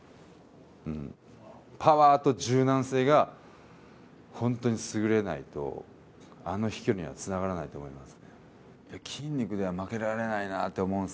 パワーと柔軟性がホントに優れないとあの飛距離にはつながらないと思います。